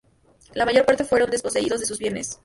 La mayor parte fueron desposeídos de sus bienes.